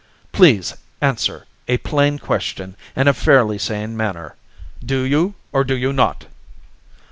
Please answer a plain question in a fairly sane manner. Do you, or do you not?"